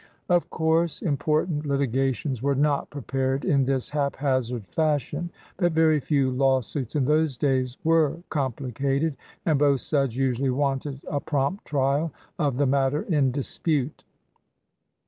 Of course important litigations were not pre pared in this haphazard fashion, but very few lawsuits in those days were complicated, and both sides usually wanted a prompt trial of the mat ter in dispute.